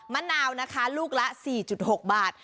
มะนาวนะคะลูกละ๔๖บาท